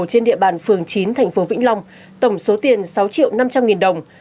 trên địa bàn phường chín thành phố vĩnh long tổng số tiền sáu triệu năm trăm linh nghìn đồng